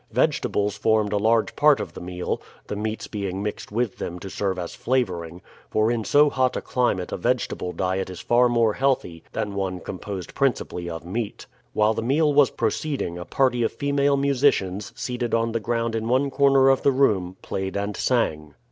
Vegetables formed a large part of the meal, the meats being mixed with them to serve as flavoring; for in so hot a climate a vegetable diet is far more healthy than one composed principally of meat. While the meal was proceeding a party of female musicians, seated on the ground in one corner of the room, played and sang.